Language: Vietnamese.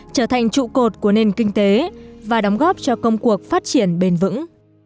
trở thành trụ cột của nền kinh tế và đóng góp cho công cuộc phát triển bền vững